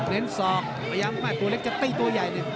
เน้นสอกตัวเล็กจะตีตัวใหญ่